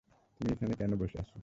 তুমি এখানে কেন বসে আছো?